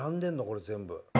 これ全部。